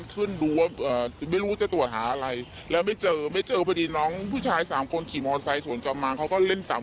คนตัวแล้วก็